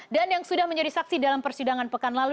dan yang sudah menjadi saksi dalam persidangan pekan lalu